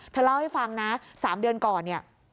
เธอเล่าให้ฟังนะ๓เดือนก่อนเนี่ย